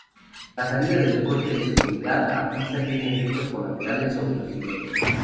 La salida del coche de seguridad a pista tiene efectos colaterales sobre los pilotos.